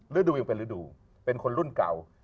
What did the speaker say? ฤดูยังเป็นฤดูเป็นคนรุ่นเก่า